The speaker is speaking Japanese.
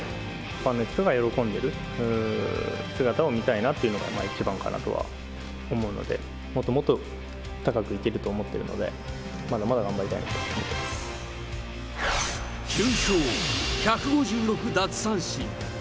ファンの人が喜んでるっていう姿を見たいのが一番かなとは思うので、もっともっと高く行けると思ってるので、まだまだ頑張り９勝１５６奪三振。